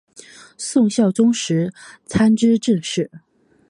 宋孝宗时参知政事。